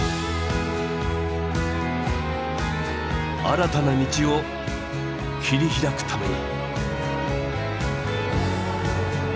新たな道を切り開くために。